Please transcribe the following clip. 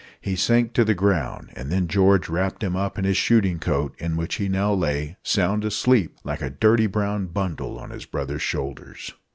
He sank to the ground, and then George wrapped him up in his shooting coat, in which he now lay, sound asleep, like a dirty brown bundle, on his brother's shoulders.